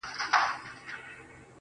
دشپې د ملا پر پلونو پلونه ایښودل